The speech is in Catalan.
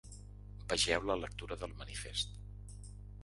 Vegeu la lectura del manifest.